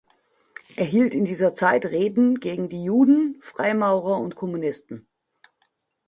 Er hielt in dieser Zeit Reden gegen die Juden, Freimaurer und Kommunisten.